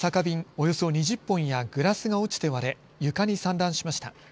およそ２０本やグラスが落ちて割れ床に散乱しました。